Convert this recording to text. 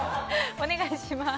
お願いします。